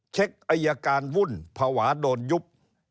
อายการวุ่นภาวะโดนยุบ